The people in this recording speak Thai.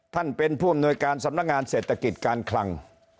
ท่านเป็นผู้อำนวยการสำนักงานเศรษฐกิจการคลัง